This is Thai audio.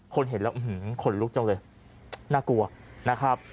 เห็นแล้วขนลุกจังเลยน่ากลัวนะครับ